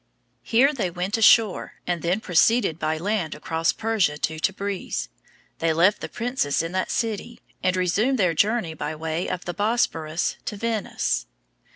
Here they went ashore, and then proceeded by land across Persia to Tabriz. They left the princess in that city, and resumed their journey by way of the Bosporus to Venice.